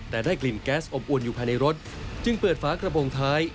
แต่ได้กลิ่นแก๊สอบอวนอยู่ภายในรถจึงเปิดฝากระโปรงท้าย